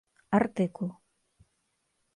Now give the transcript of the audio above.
Артыкул.